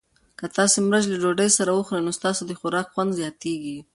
که تاسي مرچ له ډوډۍ سره وخورئ نو ستاسو د خوراک خوند زیاتیږي.